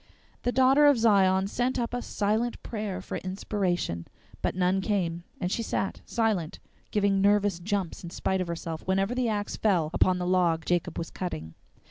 The Daughter of Zion sent up a silent prayer for inspiration, but none came, and she sat silent, giving nervous jumps in spite of herself whenever the axe fell upon the log Jacob was cutting.